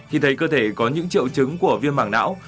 khi thấy cơ thể có những triệu chứng của viêm mảng não